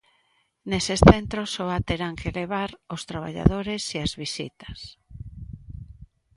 Neses centros só a terán que levar os traballadores e as visitas.